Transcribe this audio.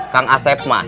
kang aceh mak